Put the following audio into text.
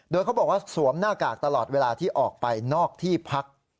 โดยเขาบอกว่าสวมหน้ากากตลอดเวลาที่ออกไปนอกที่พัก